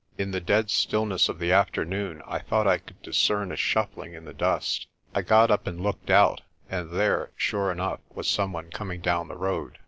In the dead stillness of the afternoon I thought I could discern a shuffling in the dust. I got up and looked out, and there sure enough was some one coming down the road.